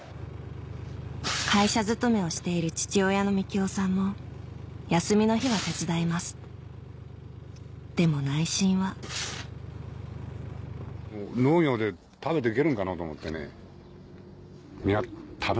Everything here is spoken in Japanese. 会社勤めをしている父親の幹雄さんも休みの日は手伝いますでも内心は農業で食べて行けるんかなと思ってね。